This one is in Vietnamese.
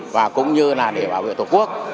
và cũng như là để bảo vệ tổ quốc